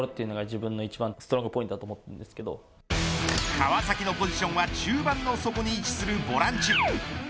川崎のポジションは中盤の底に位置するボランチ。